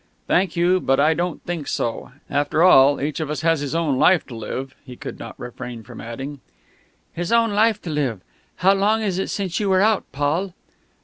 "Thank you, but I don't think so. After all each of us has his own life to live," he could not refrain from adding. "His own life to live!... How long is it since you were out, Paul?"